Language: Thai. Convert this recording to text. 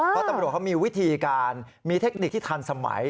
เพราะตำรวจเขามีวิธีการมีเทคนิคที่ทันสมัย